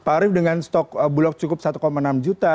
pak arief dengan stok bulog cukup satu enam juta